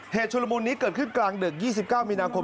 เหตุชนมูลนี้เกิดขึ้นกลางเดือด๒๙มีนาคม